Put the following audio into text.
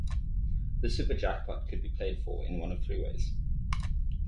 The Super Jackpot could be played for in one of three ways.